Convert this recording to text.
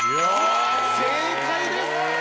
正解です！